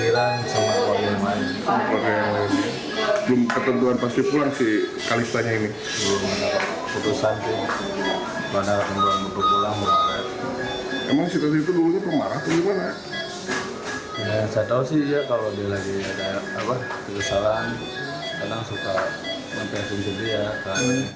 saya tahu sih kalau dia lagi ada kesalahan sekarang suka memperhatikan sendiri ya